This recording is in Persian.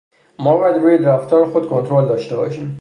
ما باید روی رفتار خود کنترل داشته باشیم.